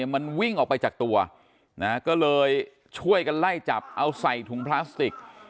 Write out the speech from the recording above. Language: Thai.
มันวิ่งออกไปจากตัวก็เลยช่วยกันไล่จับเอาใส่ถุงพลาสติก